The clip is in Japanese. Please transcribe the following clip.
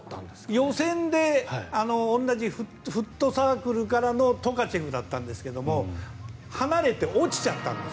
予選で同じフットサークルからのトカチェフだったんですが離れて落ちちゃったんです。